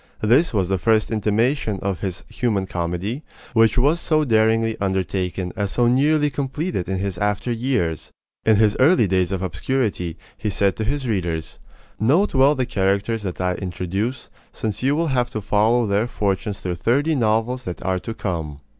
This was the first intimation of his "Human Comedy," which was so daringly undertaken and so nearly completed in his after years. In his early days of obscurity, he said to his readers: Note well the characters that I introduce, since you will have to follow their fortunes through thirty novels that are to come.